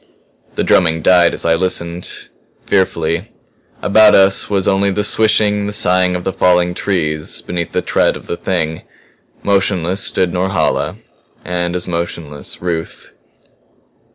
The drumming died as I listened fearfully. About us was only the swishing, the sighing of the falling trees beneath the tread of the Thing. Motionless stood Norhala; and as motionless Ruth.